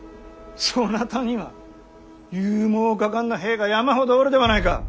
そなたには勇猛果敢な兵が山ほどおるではないか。